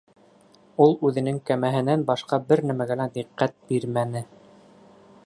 Ул үҙенең кәмәһенән башҡа бер нәмәгә лә диҡҡәт бирмәне.